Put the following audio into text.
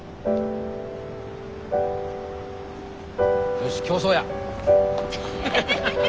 よし競走や。